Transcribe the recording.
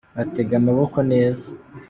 batega amaboko neza.